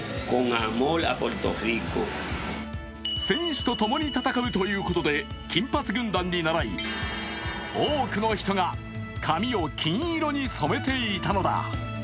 選手とともに戦うということで金髪軍団にならい多くの人が髪を金色に染めていたのだ。